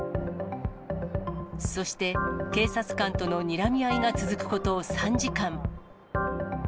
そして、警察官とのにらみ合いが続くこと３時間。